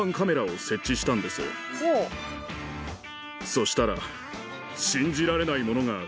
そしたら。